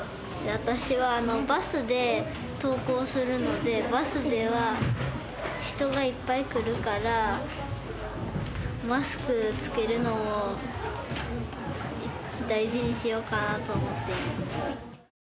私はバスで登校するので、バスでは人がいっぱい来るから、マスク着けるのを大事にしようかなと思っています。